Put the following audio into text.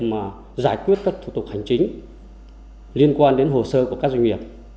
những việc giải quyết các thủ tục hành chính liên quan đến hồ sơ của các doanh nghiệp